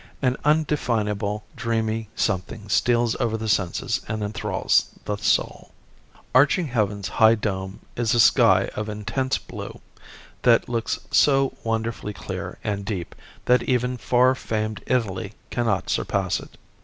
An indefinable dreamy something steals over the senses and enthralls the soul. Arching heaven's high dome is a sky of intense blue that looks so wonderfully clear and deep that even far famed Italy cannot surpass it.